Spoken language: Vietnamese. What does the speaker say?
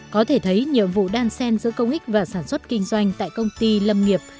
có thể thấy nhiệm vụ đan sen giữa công ích và sản xuất kinh doanh tại công ty lâm nghiệp